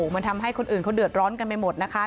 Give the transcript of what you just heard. มันทำให้คนอื่นเขาเดือดร้อนกันไปหมดนะคะ